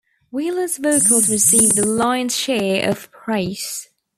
Wheeler's vocals received the lion's share of praise.